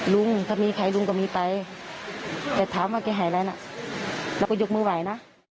ลุงถ้ามีใครลุงก็มีไปแต่ถามว่าแกหายอะไรนะเราก็ยกมือไหวนะ